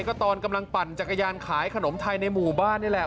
ก็ตอนกำลังปั่นจักรยานขายขนมไทยในหมู่บ้านนี่แหละ